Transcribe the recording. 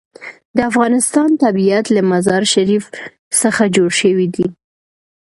د افغانستان طبیعت له مزارشریف څخه جوړ شوی دی.